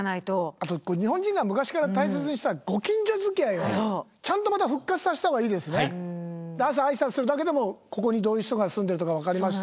あと日本人が昔から大切にしてた朝挨拶するだけでもここにどういう人が住んでるとか分かりますし。